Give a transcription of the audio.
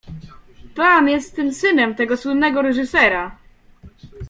Pan jest tym synem tego słynnego reżysera.